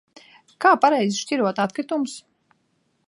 Kā pareizi šķirot atkritumus?